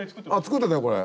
作ってたよこれ。